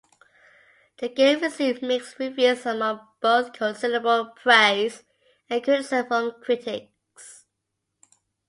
The game received mixed reviews among both considerable praise and criticism from critics.